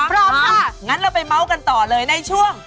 พร้อมค่ะงั้นเราไปเมาส์กันต่อเลยในช่วง